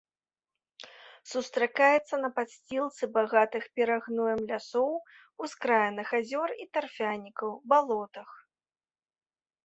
Сустракаецца на падсцілцы багатых перагноем лясоў, ускраінах азёр і тарфянікаў, балотах.